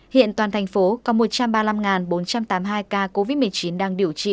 hiện toàn thành phố có một trăm ba mươi năm bốn trăm tám mươi hai ca covid một mươi chín đang điều trị